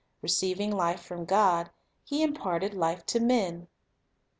Receiving life from God, He imparted life to men.